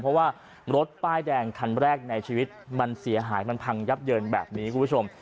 เพราะว่ารถป้ายแดงคันแรกในชีวิตมันเสียหายมันพังยับเยินแบบนี้คุณผู้ชม